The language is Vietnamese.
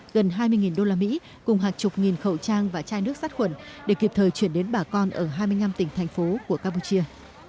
gần hai mươi đô la mỹ cùng hàng chục nghìn khẩu trang và chai nước sát khuẩn để kịp thời chuyển đến bà con ở hai mươi năm tỉnh thành phố của campuchia